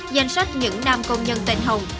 danh sách những nam công nhân tên hồng